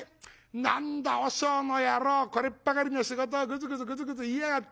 何だ和尚の野郎これっぱかりの仕事をぐずぐずぐずぐず言いやがって！